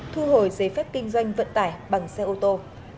thu hồi giấy phép kinh doanh vận tải bằng xe ô tô